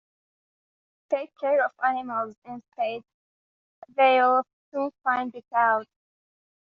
Take care of animals instead — they’ll soon find it out.